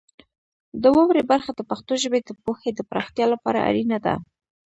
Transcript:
د واورئ برخه د پښتو ژبې د پوهې د پراختیا لپاره اړینه ده.